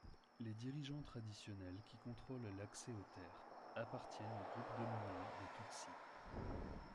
Les dirigeants traditionnels qui contrôlent l'accès aux terres appartiennent au groupe dominant des Tutsi.